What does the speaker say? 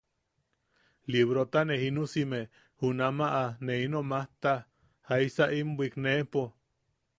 Librota ne jinusime, junamaʼa ne ino majta, jaisa in bwikneʼepo.